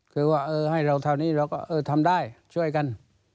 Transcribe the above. คือว่าให้เราเท่านี้เราก็เออทำได้ช่วยกัน